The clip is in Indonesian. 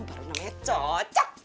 baru namanya cocok